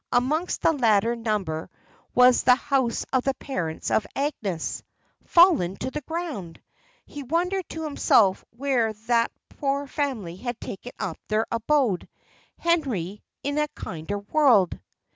Amongst the latter number was the house of the parents of Agnes fallen to the ground! He wondered to himself where that poor family had taken up their abode. Henry, in a kinder world!